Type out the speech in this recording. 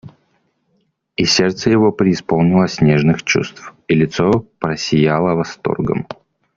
И сердце его преисполнилось нежных чувств, и лицо просияло восторгом.